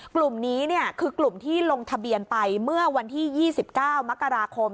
กลุ่มนี้คือกลุ่มที่ลงทะเบียนไปเมื่อวันที่๒๙มกราคม